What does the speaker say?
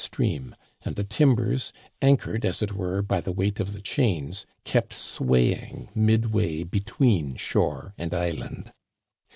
Stream, and the timbers, anchored, as it were, by the weight of the chains, kept swaying mid way between shore and island.